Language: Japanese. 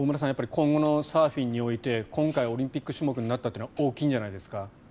今後のサーフィンにおいて今回オリンピック種目になったのは大きいんじゃないですか。